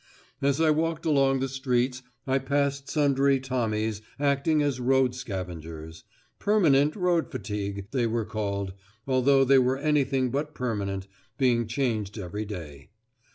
As I walked along the streets I passed sundry Tommies acting as road scavengers; "permanent road fatigue" they were called, although they were anything but permanent, being changed every day.